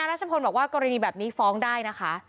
รัชพลบอกว่ากรณีแบบนี้ฟ้องได้นะคะ